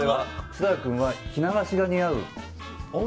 設楽君は着流しが似合う。